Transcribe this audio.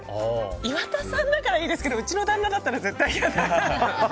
岩田さんだからいいですけどうちの旦那だったら絶対やだ。